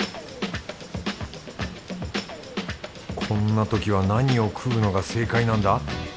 こんなときは何を食うのが正解なんだ？